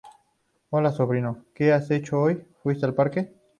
Hola, sobrino, ¿qué has hecho hoy?¿Fuiste al parque?